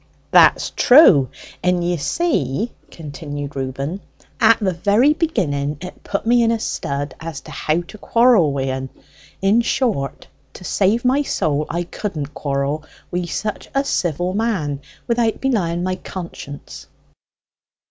"That's true; and you see," continued Reuben, "at the very beginning it put me in a stud as to how to quarrel wi' en. In short, to save my soul, I couldn't quarrel wi' such a civil man without belying my conscience.